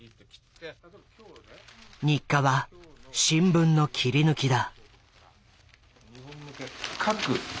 日課は新聞の切り抜きだ。